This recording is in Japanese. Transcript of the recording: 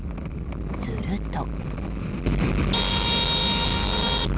すると。